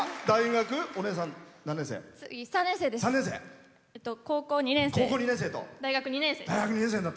大学２年生。